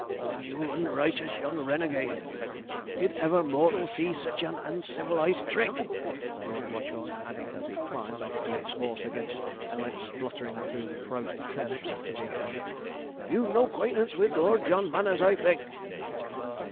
'Oh, you unrighteous young renegade! Did ever mortal see sich an uncivilized trick?' roared Watchorn; adding, as he climbed on to his horse again, and went spluttering through the frozen turnips after the offender, 'You've no 'quaintance with Lord John Manners, I think!'